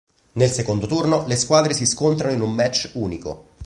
Nel secondo turno le squadre si scontrano in un match unico.